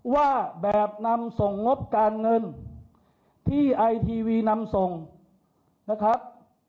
ว่าแบบนำส่งงบการเงินที่ไอทีวีนำส่งนะครับ